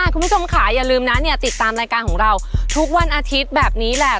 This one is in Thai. คุณผู้ชมค่ะอย่าลืมนะเนี่ยติดตามรายการของเราทุกวันอาทิตย์แบบนี้แหละ